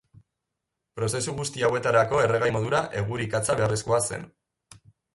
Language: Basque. Prozesu guzti hauetarako erregai modura egur-ikatza beharrezkoa zen.